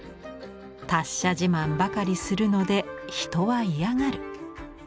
達者自慢ばかりするので人はいやがる」。